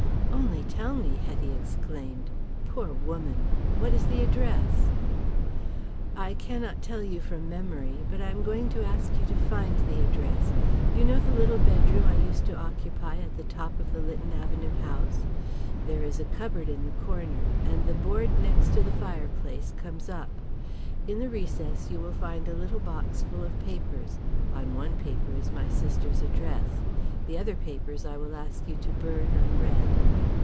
"Only tell me," Hetty exclaimed. "Poor woman! What is the address?" "I cannot tell you from memory. But I am going to ask you to find the address. You know the little bedroom I used to occupy at the top of the Lytton Avenue house. There is a cupboard in the corner, and the board next the fireplace comes up. In the recess you will find a little box full of papers. On one paper is my sister's address. The other papers I will ask you to burn unread."